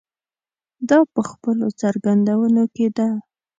دا په خپلو څرګندونو کې ده.